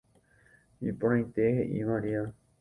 Iporãite heʼi María.